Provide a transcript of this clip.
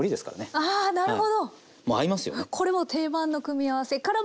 あなるほど。